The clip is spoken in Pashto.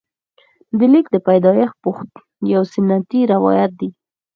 د لیک د پیدایښت یو سنتي روایت دی.